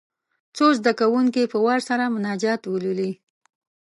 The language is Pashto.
څو زده کوونکي په وار سره مناجات ولولي.